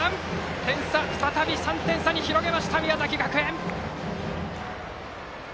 点差、再び３点差に広げた宮崎学園！